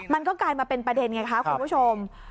กลายมาเป็นประเด็นไงคะคุณผู้ชม